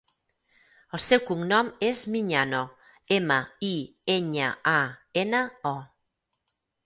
El seu cognom és Miñano: ema, i, enya, a, ena, o.